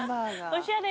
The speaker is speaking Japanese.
おしゃれ。